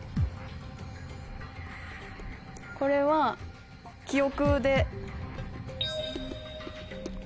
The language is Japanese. これは記憶で。